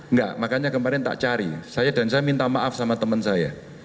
enggak makanya kemarin tak cari saya dan saya minta maaf sama teman saya